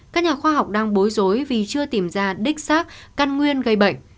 các nhà khoa học đang bối rối vì chưa tìm ra đích xác căn nguyên gây bệnh